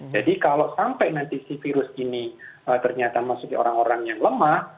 jadi kalau sampai nanti virus ini ternyata masuk ke orang orang yang lemah